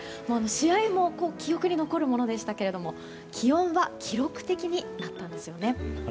試合も記憶に残るものでしたけど気温は記録的になったんですね。